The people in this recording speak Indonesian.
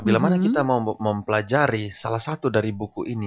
bila mana kita mau mempelajari salah satu dari buku ini